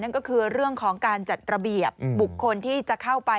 ก็คือเรื่องของการจัดระเบียบบุคคลที่จะเข้าไป